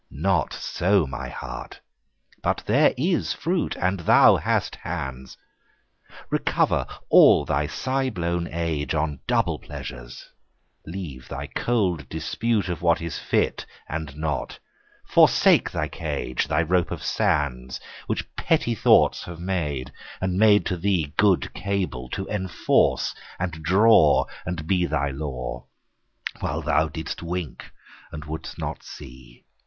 No so, my heart: but there is fruit, And thou hast hands. Recover all thy sigh blown age On double pleasures: leave thy cold dispute Of what is fit, and not forsake thy cage, Thy rope of sands, Which petty thoughts have made, and made to thee Good cable, to enforce and draw, And be thy law, While thou didst wink and wouldst not see.